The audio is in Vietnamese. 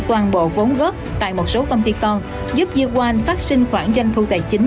của vốn gớt tại một số công ty con giúp duy quang phát sinh khoản doanh thu tài chính